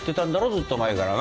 ずっと前からなあ？